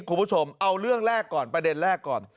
คุณผู้ชมเอาเรื่องแรกก่อนประเด็นแรกก่อน